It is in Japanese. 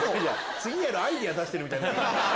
次やるアイデア出してるみたい。